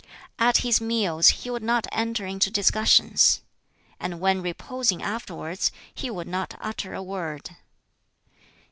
At his meals he would not enter into discussions; and when reposing (afterwards) he would not utter a word.